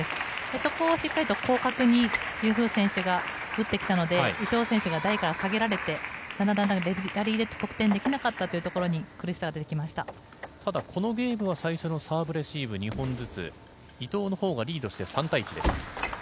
そこをしっかりと広角にユー・フー選手が打ってきたので伊藤選手が台から下げられてだんだんラリーで得点できなかったというところにただこのゲームは最初のサーブレシーブ２本ずつ伊藤のほうがリードして３対１です。